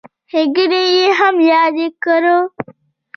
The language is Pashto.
ښېګڼې یې هم یادې کړو.